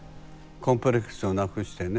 コンプレックスをなくしてね。